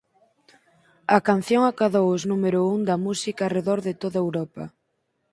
A canción acadou os número un da música arredor de toda Europa.